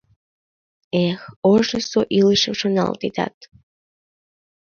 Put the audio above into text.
— Э-х, ожнысо илышым шоналтетат...